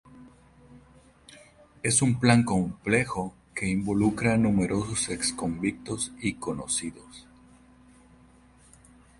Es un plan complejo que involucra a numerosos ex-convictos y conocidos.